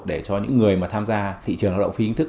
để cho những người mà tham gia thị trường lao động phi chính thức